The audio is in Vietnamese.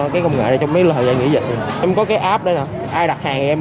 cái công nghệ này trong mấy thời gian nghỉ dịch rồi em có cái app đấy nọ ai đặt hàng thì em